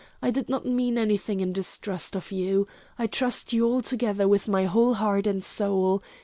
I did not mean anything in distrust of you. I trust you altogether with my whole heart and soul.